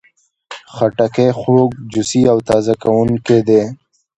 خټکی خوږ، جوسي او تازه کوونکی دی.